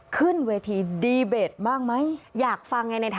ขึ้นเวทีดีเบตบ้างไหม